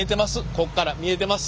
こっから見えてます。